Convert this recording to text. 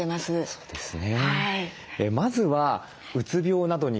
そうですね。